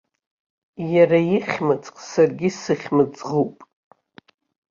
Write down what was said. Иара ихьымӡӷ саргьы исыхьымӡӷуп.